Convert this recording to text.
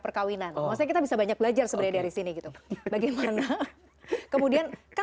perkawinan maksudnya kita bisa banyak belajar sebenarnya dari sini gitu bagaimana kemudian ke